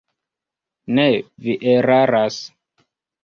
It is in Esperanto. Ne, vi eraras.